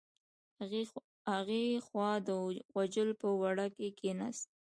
هغې خوا د غوجل په وره کې کیناست.